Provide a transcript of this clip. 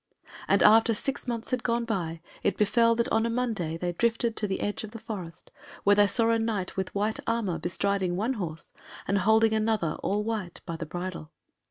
And after six months had gone it befell that on a Monday they drifted to the edge of the forest, where they saw a Knight with white armour bestriding one horse and holding another all white, by the bridle.